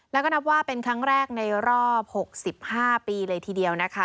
แล้วก็นับว่าเป็นครั้งแรกในรอบ๖๕ปีเลยทีเดียวนะคะ